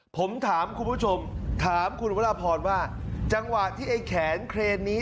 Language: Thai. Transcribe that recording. ผมถามคุณผู้ชมถามคุณวรพรว่าจังหวะที่ไอ้แขนเครนนี้